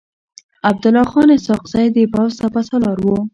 عبدالله خان اسحق زی د پوځ سپه سالار و.